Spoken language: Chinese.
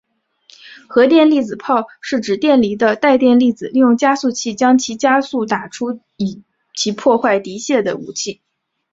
荷电粒子炮是指电离的带电粒子利用加速器将其加速打出以其破坏敌械的武器。